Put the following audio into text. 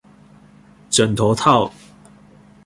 枕頭套